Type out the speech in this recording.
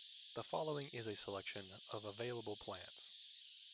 The following is a selection of available plants.